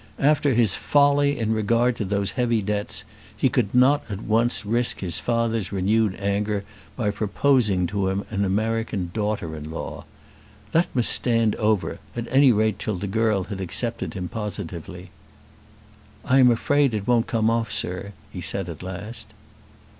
After his folly in regard to those heavy debts he could not at once risk his father's renewed anger by proposing to him an American daughter in law. That must stand over, at any rate till the girl had accepted him positively. "I am afraid it won't come off, sir," he said at last.